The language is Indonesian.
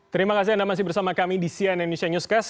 terima kasih anda masih bersama kami di cnn indonesia newscast